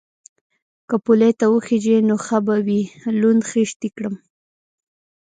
_که پولې ته وخېژې نو ښه به وي، لوند خيشت دې کړم.